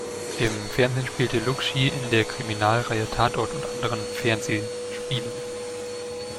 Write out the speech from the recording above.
Im Fernsehen spielte Lukschy in der Kriminalreihe Tatort und anderen Fernsehspielen.